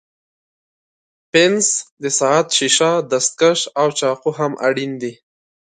پنس، د ساعت ښيښه، ستکش او چاقو هم اړین دي.